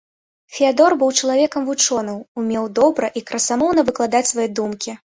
Феадор быў чалавекам вучоным, умеў добра і красамоўна выкладаць свае думкі.